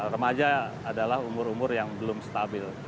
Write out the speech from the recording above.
remaja adalah umur umur yang belum stabil